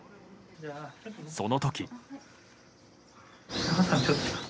その時。